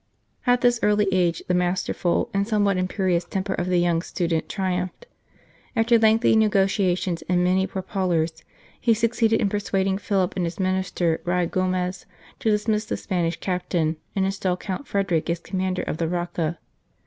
At this early age the masterful and somewhat imperious temper of the young student triumphed. After lengthy negotiations and many pourparlers, he succeeded in persuading Philip and his Minister Ruy Gomez to dismiss the Spanish Captain, and instal Count Frederick as Commander of the Rocca.